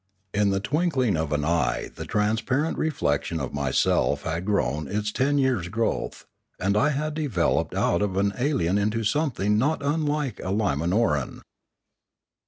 In the twinkling of an eye the transparent reflection of myself had grown its ten years' growth, and I had developed out of an alien into something not unlike a Limanoran.